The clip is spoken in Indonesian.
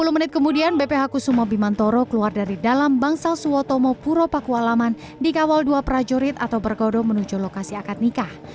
dua puluh menit kemudian bph kusuma bimantoro keluar dari dalam bangsa suwotomo puro paku alaman di kawal dua prajorit atau bergodo menuju lokasi akad nikah